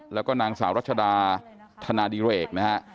แล้วก็นางสาวรัชดาธนาดิเรกนะฮะ